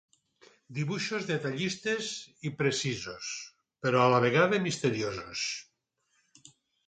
Dibuixos detallistes i precisos però, a la vegada, misteriosos.